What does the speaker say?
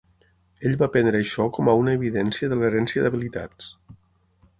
Ell va prendre això com a una evidència de l'herència d'habilitats.